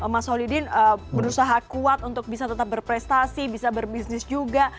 mas holidin berusaha kuat untuk bisa tetap berprestasi bisa berbisnis juga